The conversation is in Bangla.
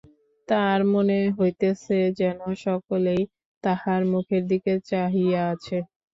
তার মনে হইতেছে, যেন সকলেই তাহার মুখের দিকে চাহিয়া আছে।